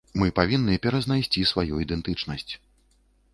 Мы павінны перазнайсці сваю ідэнтычнасць.